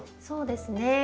そうですね